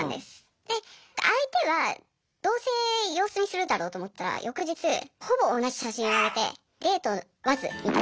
で相手はどうせ様子見するだろうと思ったら翌日ほぼ同じ写真上げて「デートわず」みたいな。